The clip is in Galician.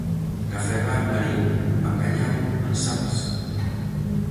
Café-bar Mariño: bacallau en salsa.